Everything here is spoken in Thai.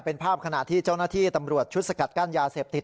เป็นภาพขณะที่เจ้าหน้าที่ตำรวจชุดสกัดกั้นยาเสพติด